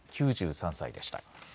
９３歳でした。